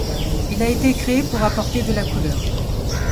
Il a été créé pour apporter de la couleur.